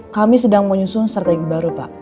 kami sedang menyusun strategi baru pak